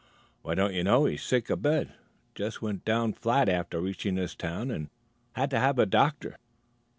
"Why, don't you know? He's sick abed; just went down flat after reaching this town, and had to have a doctor."